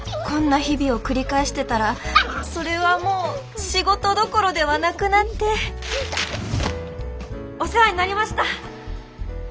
こんな日々を繰り返してたらそれはもう仕事どころではなくなってお世話になりました。